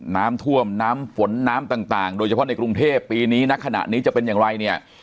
น้ำท่วมน้ำฝนน้ำต่างโดยเฉพาะในกรุงเทพปีนี้ณขณะนี้จะเป็นอย่างไรเนี่ย